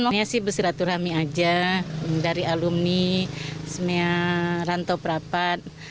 ini sih bersiraturami aja dari alumni ranto prapat